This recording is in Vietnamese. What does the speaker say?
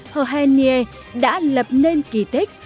heo hei nie đã lập nên kỳ tích